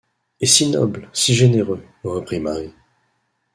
Et si noble, si généreux! reprit Mary.